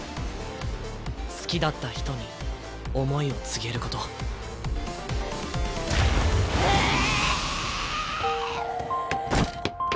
好きだった人に思いを告げることぐあ！